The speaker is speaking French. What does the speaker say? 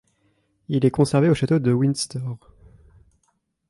Il est conservé au château de Windsor.